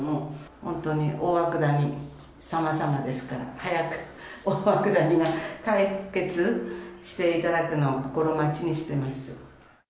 本当に大涌谷さまさまですから、早く大涌谷が解決していただくのを心待ちにしてます。